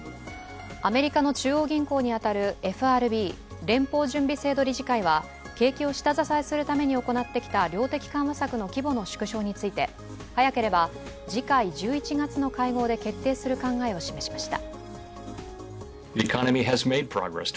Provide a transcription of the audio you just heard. アメリカの中央銀行に当たるＦＲＢ＝連邦準備制度理事会は景気を下支えするために行ってきた量的緩和策の規模の縮小について早ければ次回１１月の会合で決定する考えを示しました。